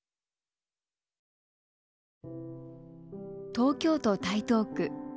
東京都台東区。